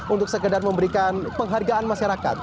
untuk sekedar memberikan penghargaan masyarakat